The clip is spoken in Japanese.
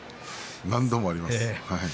何度もあります。